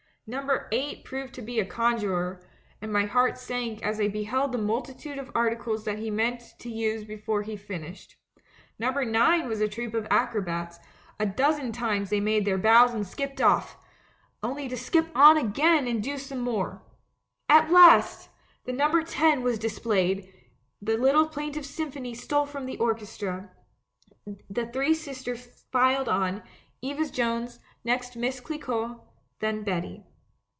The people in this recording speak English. Num ber 8 proved to be a conjurer, and my heart sank as I beheld the multitude of articles that he meant to use before he finished. Number 9 was a troupe of acrobats ; a dozen times they made their bows and skipped off — only to skip on again and do some more. At last! The number '10' was dis played; the little plaintive symphony stole from the orchestra, the three girls filed on — Eva Jones, next JVIiss Clicquot, then Betty.